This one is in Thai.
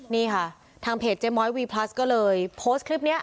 นี่ค่ะทางเพจเจ๊ม้อยวีพลัสก็เลยโพสต์คลิปนี้